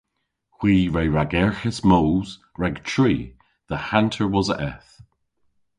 Hwi re ragerghis moos rag tri dhe hanter wosa eth.